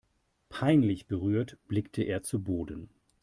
Peinlich berührt blickte er zu Boden.